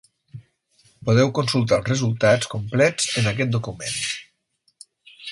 Podeu consultar els resultats complets en aquest document.